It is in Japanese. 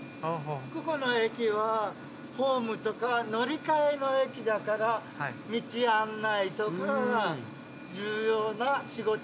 ここの駅はホームとか乗り換えの駅だから道案内とか重要な仕事になっています。